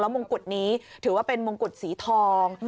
แล้วมุมกุฏนี้ถือว่าเป็นมุมกุฏสีทอง